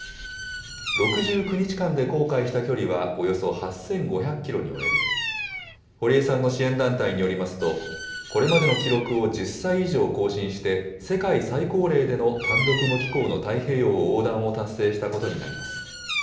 ６９日間で航海した距離はおよそ８５００キロに及び、堀江さんの支援団体によりますと、これまでの記録を１０歳以上更新して、世界最高齢での単独無寄港の太平洋横断を達成したことになります。